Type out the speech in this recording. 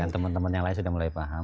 teman teman yang lain sudah mulai paham